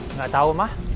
enggak tahu ma